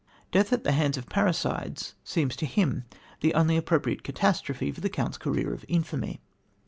Death at the hands of parricides seems to him the only appropriate catastrophe for the Count's career of infamy.